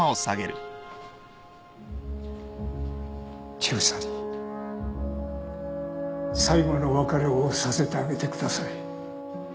千草に最後のお別れをさせてあげてください。